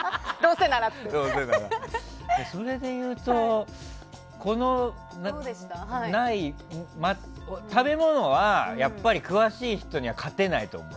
それでいうと食べ物はやっぱり詳しい人には勝てないと思う。